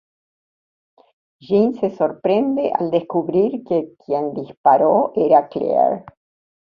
Jin se sorprende al descubrir que quien disparó era Claire.